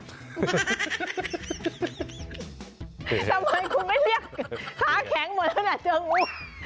ทำไมคุณไม่เรียกขาแข็งเหมือนเมื่อหากเจองู้